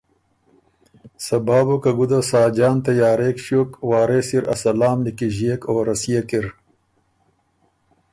صبا بُو که ګُده ساجان تیارېک ݭیوک وارث اِر ا سلام نیکِݫيېک او رسيېک اِر